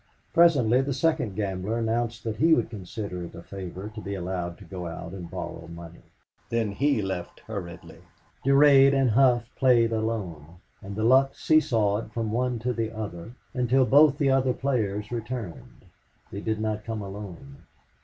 Presently the second gambler announced that he would consider it a favor to be allowed to go out and borrow money. Then he left hurriedly. Durade and Hough played alone; and the luck seesawed from one to the other until both the other players returned. They did not come alone.